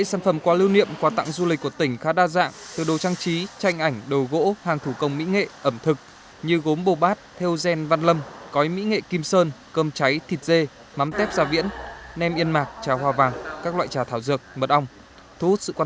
sản phẩm lưu niệm quà tặng là một trong những yếu tố góp phần tăng sức hấp dẫn cho điểm đến quảng bá hình ảnh du lịch hiệu quả